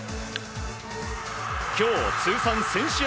今日通算１０００試合